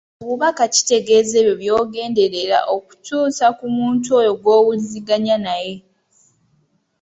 Obubaka kitegeeza ebyo byogenderera okutuusa ku muntu oyo gw'owuliziganya naye.